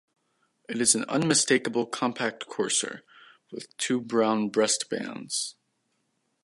It is an unmistakable compact courser, with two brown breast-bands.